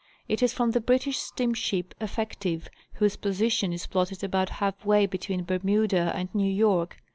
It is from the British steam ship " Effective," whose position is plotted about half way be tween Bermuda and New York.